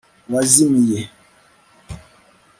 wazimiye